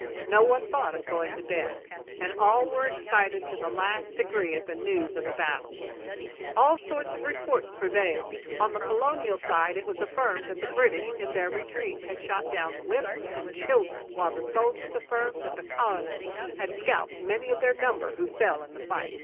No one thought of going to bed, and all were excited to the last degree at the news of the battle. All sorts of reports prevailed. On the colonial side it was affirmed that the British, in their retreat, had shot down women and children; while the soldiers affirmed that the colonists had scalped many of their number who fell in the fight.